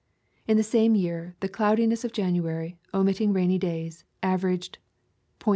In the same year the cloudiness of January, omitting rainy days, averaged 0.